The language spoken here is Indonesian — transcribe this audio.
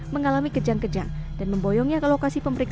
mengalami kejang kejang dan memboyongnya ke lokasifik